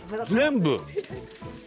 全部！？